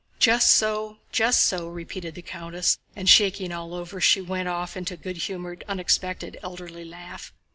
"Just so, just so," repeated the countess, and shaking all over, she went off into a good humored, unexpected, elderly laugh.